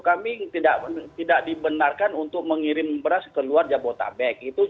kami tidak dibenarkan untuk mengirim beras ke luar jabotabek